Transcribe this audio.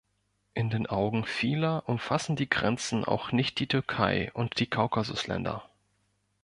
In den Augen vieler umfassen die Grenzen auch nicht die Türkei und die Kaukasusländer.